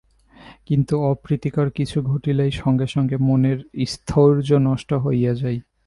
কিন্তু অপ্রীতিকর কিছু ঘটিলেই সঙ্গে সঙ্গে মনের স্থৈর্য নষ্ট হইয়া যায়।